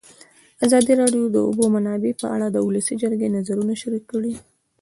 ازادي راډیو د د اوبو منابع په اړه د ولسي جرګې نظرونه شریک کړي.